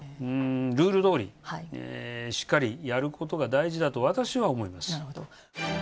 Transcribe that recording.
ルールどおり、しっかりやることが大事だと、なるほど。